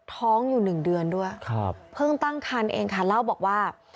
ท้องอยู่หนึ่งเดือนด้วยครับเพิ่งตั้งคันเองค่ะเล่าบอกว่า